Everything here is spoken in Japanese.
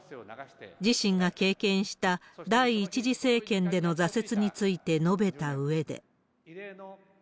自身が経験した第１次政権での挫折について述べたうえで。